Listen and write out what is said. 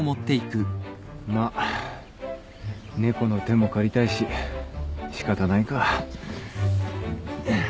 まっ猫の手も借りたいし仕方ないか。